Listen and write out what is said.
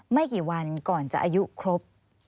ไม่กี่วันก่อนจะอายุครบ